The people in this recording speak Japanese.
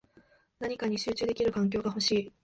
何かに集中できる環境が欲しい